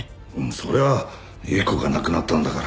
そりゃあ雪子が亡くなったんだから。